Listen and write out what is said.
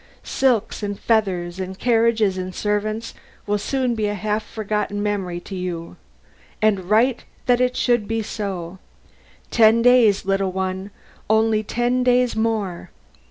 Silks and feathers and carriages and servants will soon be a half forgotten memory to you; and right it is that it should be so. Ten days, little one, only ten days more.'